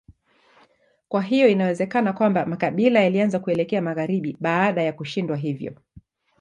Kwa hiyo inawezekana kwamba makabila yalianza kuelekea magharibi baada ya kushindwa hivyo.